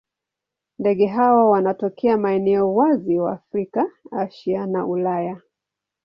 Ndege hawa wanatokea maeneo wazi wa Afrika, Asia na Ulaya.